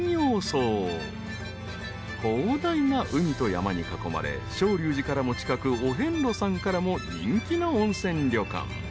［広大な海と山に囲まれ青龍寺からも近くお遍路さんからも人気の温泉旅館］